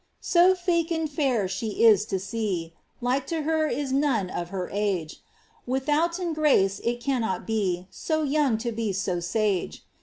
*^Sofaeund fair she is to see, Like to her is none of her age, Withonten grace it cannot be So young to be so sage.